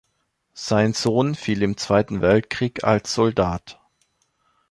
Sein Sohn fiel im Zweiten Weltkrieg als Soldat.